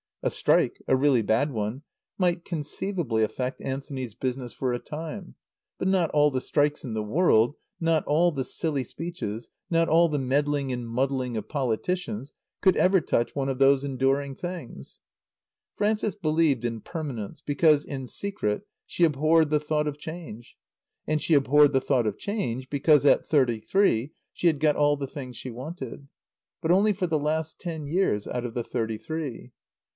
A strike a really bad one might conceivably affect Anthony's business, for a time; but not all the strikes in the world, not all the silly speeches, not all the meddling and muddling of politicians could ever touch one of those enduring things. Frances believed in permanence because, in secret, she abhorred the thought of change. And she abhorred the thought of change because, at thirty three, she had got all the things she wanted. But only for the last ten years out of the thirty three.